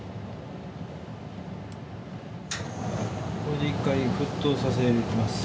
これで一回沸騰させます。